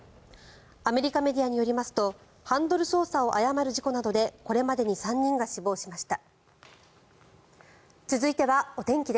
アメリカメディアによりますとハンドル操作を誤る事故などでこれまでに３人が死亡しました。